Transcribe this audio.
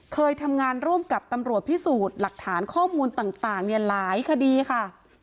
เคยทำงานร่วมกับตำรวจพิสูจน์หลักฐานข้อมูลต่างหลายคดีค่ะ